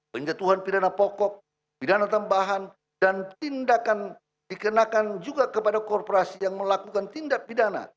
penjatuhan pidana pokok pidana tambahan dan tindakan dikenakan juga kepada korporasi yang melakukan tindak pidana